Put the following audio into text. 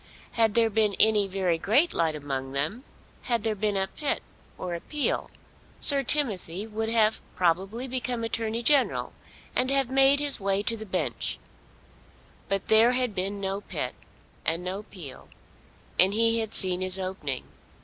Had there been any very great light among them, had there been a Pitt or a Peel, Sir Timothy would have probably become Attorney General and have made his way to the bench; but there had been no Pitt and no Peel, and he had seen his opening.